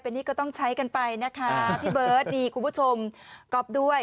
อันนี้ก็ต้องใช้กันไปนะคะพี่เบิร์ตดีคุณผู้ชมก๊อฟด้วย